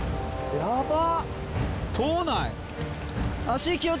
やばっ